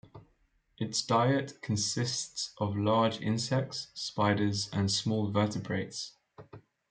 Its diet consists of large insects, spiders, and small vertebrates.